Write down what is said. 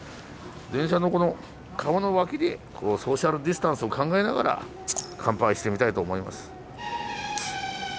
電車のこの顔の脇でソーシャルディスタンスを考えながら乾杯してみたいと思います。